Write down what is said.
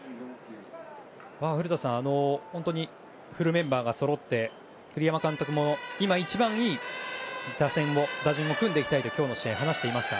古田さん、本当にフルメンバーがそろって栗山監督も今一番いい打順を組んでいきたいと今日の試合、話していました。